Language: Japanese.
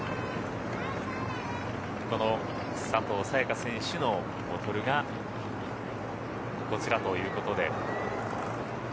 この佐藤早也伽選手のボトルがこちらということで。